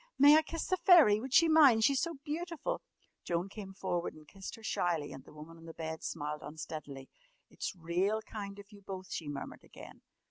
May I kiss the fairy? Would she mind? She's so beautiful!" Joan came forward and kissed her shyly, and the woman on the bed smiled unsteadily. "It's real kind of you both," she murmured again.